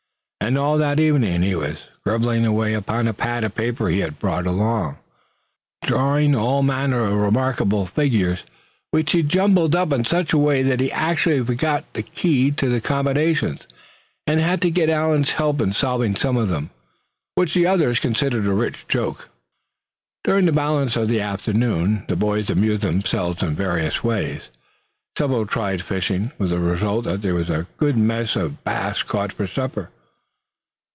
And all that evening he was scribbling away upon a pad of paper he had brought along, drawing all manner of remarkable figures, which he jumbled up in such a way that he actually forgot the key to the combinations; and had to get Allan's help in solving some of them, which the others considered a rich joke. During the balance of the afternoon the boys amused themselves in various ways. Several tried the fishing, with the result that there was a good mess of gamey bass caught for supper.